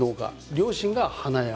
両親が花屋。